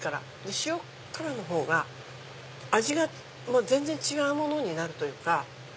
で塩辛のほうが味が全然違うものになるというか。